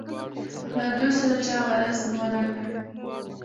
له دوی سره چا غرض ونه کړ.